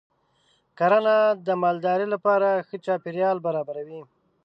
کرنه د مالدارۍ لپاره ښه چاپېریال برابروي.